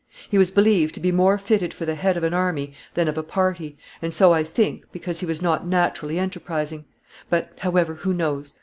He was believed to be more fitted for the head of an army than of a party, and so I think, because he was not naturally enterprising; but, however, who knows?